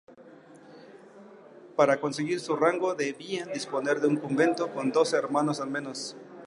Para conseguir su rango debían disponer de un convento con doce hermanos al menos.